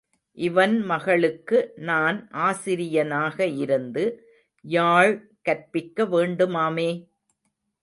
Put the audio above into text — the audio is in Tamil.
இவன் மகளுக்கு நான் ஆசிரியனாக இருந்து யாழ் கற்பிக்க வேண்டுமாமே?